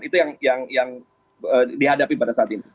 itu yang dihadapi pada saat ini